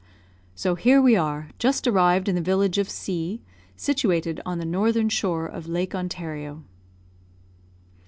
So here we are, just arrived in the village of C , situated on the northern shore of Lake Ontario.